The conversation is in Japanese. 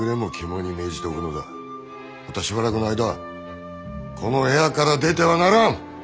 またしばらくの間この部屋から出てはならん！